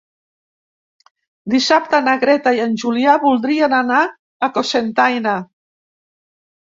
Dissabte na Greta i en Julià voldrien anar a Cocentaina.